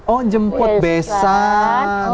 oh menjemput besan